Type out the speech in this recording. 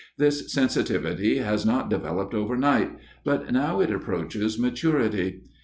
This sensitivity has not developed overnight, but now it approaches maturity.